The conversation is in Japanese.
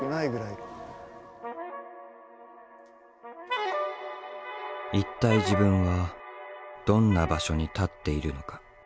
うわぁというのは一体自分はどんな場所に立っているのか。